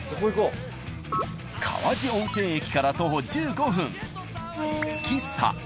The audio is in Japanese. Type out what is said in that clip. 川治温泉駅から徒歩１５分。